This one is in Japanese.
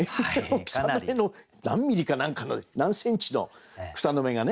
草の芽の何ミリか何かの何センチの草の芽がね